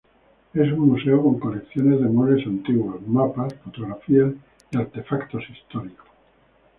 Es un Museo con colecciones de muebles antiguos, mapas, fotografías y artefactos históricos.